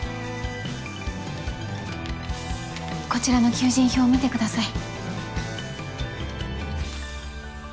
こちらの求人票を見てください。